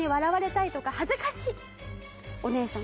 お姉さん